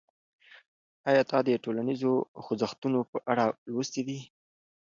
آیا تا د ټولنیزو خوځښتونو په اړه لوستي دي؟